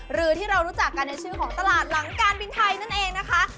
หรือที่เรารู้จักกันในชื่อของตลาดหลังการบินไทยนั่นเองนะคะ